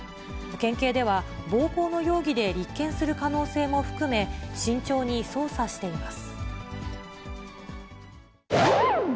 県警では暴行の容疑で立件する可能性も含め、慎重に捜査しています。